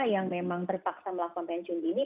yang memang terpaksa melakukan pensiun dini